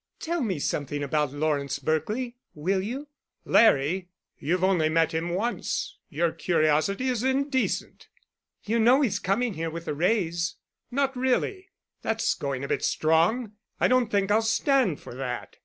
"Tell me something about Lawrence Berkely, will you?" "Larry? You've only met him once. Your curiosity is indecent." "You know he's coming here with the Wrays." "Not really? That's going a bit strong. I don't think I'll stand for that."